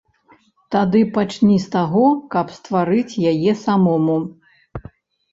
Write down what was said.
Тады пачні з таго, каб стварыць яе самому.